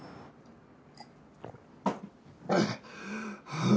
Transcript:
ああ！